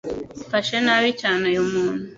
Mfashe nabi cyane uyu muntu